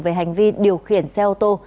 về hành vi điều khiển xe ô tô